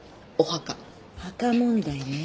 墓問題ね。